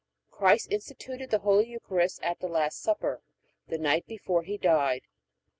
Christ instituted the Holy Eucharist at the Last Supper, the night before He died.